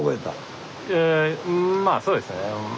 まあそうですね。